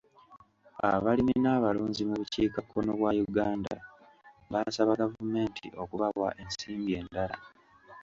Abalimi n'abalunzi mu bukiikakkono bwa Uganda baasaba gavumenti okubawa ensimbi endala.